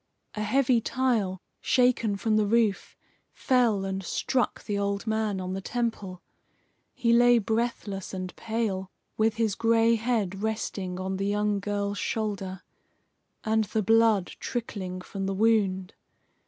A heavy tile, shaken from the roof, fell and struck the old man on the temple. He lay breathless and pale, with his gray head resting on the young girl's shoulder, and the blood trickling from the wound.